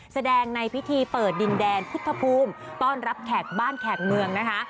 แสดงในพิธีเปิดดินแดนพุทธภูมิต้อนรับแขกบ้านแขกเมืองนะคะ